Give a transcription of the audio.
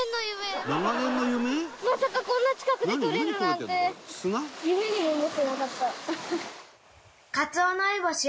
まさかこんな近くで捕れるなんて。